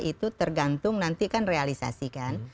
itu tergantung nanti kan realisasi kan